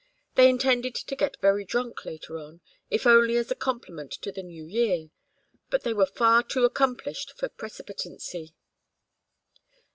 They intended to get very drunk later on if only as a compliment to the New Year but they were far too accomplished for precipitancy.